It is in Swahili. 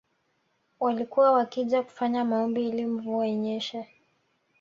Walikuwa wakija kufanya maombi ili mvua inyeshe